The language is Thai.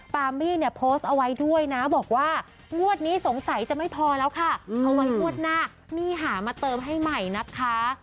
ปามี่เนี่ยโพสต์เอาไว้ด้วยนะบอกว่างวดนี้สงสัยจะไม่พอแล้วค่ะเอาไว้งวดหน้ามี่หามาเติมให้ใหม่นะคะ